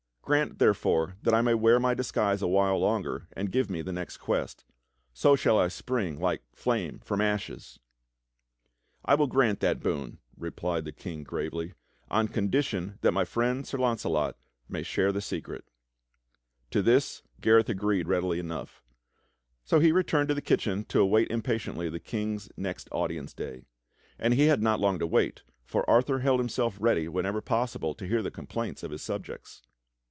Grant therefore that I may wear my disguise a while longer, and give me the next quest. So shall I spring like flame from ashes." GARETH THE KITCHEN KNAVE 43 "I will grant that boon," replied the King gravely, "on condition that my friend Sir Launcelot may share the secret." To this Gareth agreed readily enough; so he returned to the kitchen to await impatiently the King's next audience day. And he yhad not long to wait, for Arthur held himself ready whenever possible to hear the complaints of his subjects.